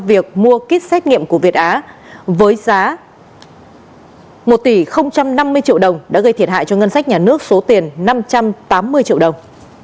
việc mua kit xét nghiệm của việt á với giá một tỷ năm mươi triệu đồng đã gây thiệt hại cho ngân sách nhà nước số tiền năm trăm tám mươi triệu đồng